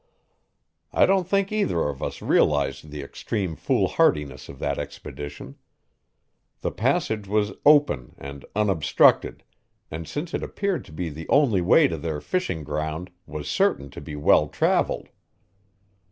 I don't think either of us realized the extreme foolhardiness of that expedition. The passage was open and unobstructed, and since it appeared to be the only way to their fishing ground, was certain to be well traveled.